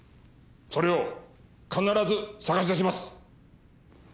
それを必ず探し出します。